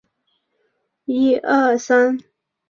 出身于神奈川县横滨市。